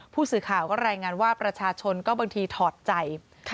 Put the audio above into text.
ผู้สื่อข่าวก็รายงานว่าประชาชนก็บางทีถอดใจ